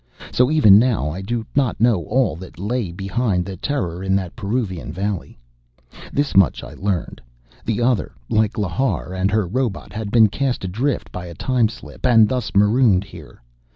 So, even now I do not know all that lay behind the terror in that Peruvian valley. This much I learned: the Other, like Lhar and her robot, had been cast adrift by a time slip, and thus marooned here.